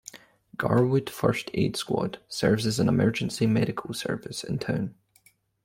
Garwood First Aid Squad serves as the emergency medical service in town.